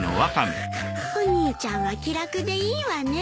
お兄ちゃんは気楽でいいわね。